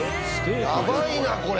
やばいなこれ。